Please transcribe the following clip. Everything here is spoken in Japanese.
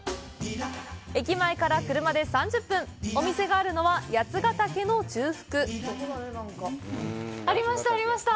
駅前から車で３０分お店があるのは八ヶ岳の中腹ありましたありました